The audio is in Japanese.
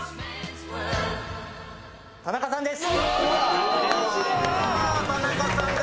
田中さんです。